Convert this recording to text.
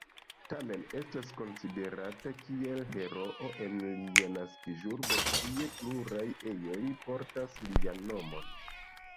Tamen estas konsiderata kiel heroo en lia naskiĝurbo kie pluraj ejoj portas lian nomon.